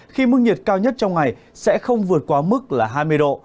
khi mức nhiệt cao nhất trong ngày sẽ không vượt quá mức là hai mươi độ